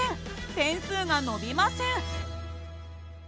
点数が伸びません。